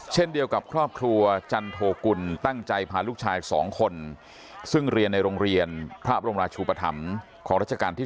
เช่นเดียวกับครอบครัวจันโทกุลตั้งใจพาลูกชาย๒คนซึ่งเรียนในโรงเรียนพระบรมราชูปธรรมของราชการที่๙